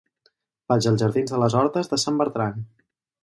Vaig als jardins de les Hortes de Sant Bertran.